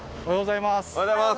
おはようございます。